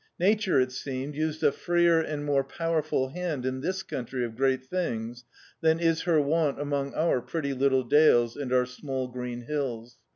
Nature, it seemed, used a freer and more powerful hand in this country of great things than is her wont among our pretty little dales, and our small green hills.